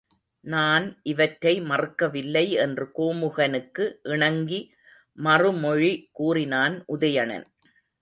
நான் இவற்றை மறுக்கவில்லை என்று கோமுகனுக்கு இணங்கி மறுமொழி கூறினான் உதயணன்.